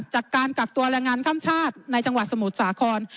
จากการกักตัวแรงงานข้ามชาติในจังหวัดสมุทรสาคร